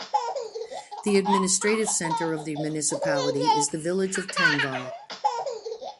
The administrative centre of the municipality is the village of Tangvall.